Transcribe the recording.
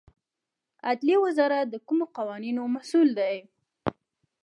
عدلیې وزارت د کومو قوانینو مسوول دی؟